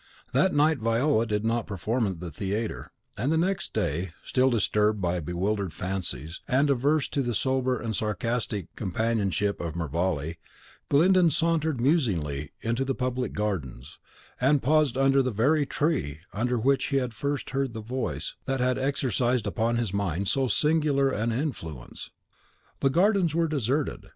That night Viola did not perform at the theatre; and the next day, still disturbed by bewildered fancies, and averse to the sober and sarcastic companionship of Mervale, Glyndon sauntered musingly into the public gardens, and paused under the very tree under which he had first heard the voice that had exercised upon his mind so singular an influence. The gardens were deserted.